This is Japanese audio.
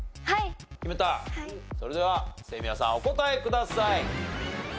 それでは清宮さんお答えください。